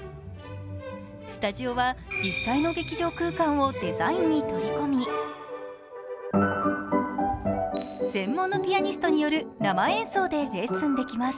スタジオは実際の劇場空間をデザインに取り込み専門のピアニストによる生演奏でレッスンできます。